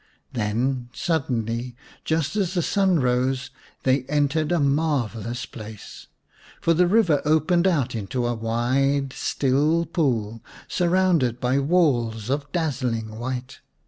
Then suddenly just as the sun rose they entered a marvellous place. For the river opened out into a wide, still pool, surrounded by walls of dazzling white.